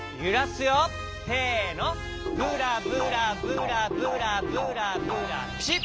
せのブラブラブラブラブラブラピシッ！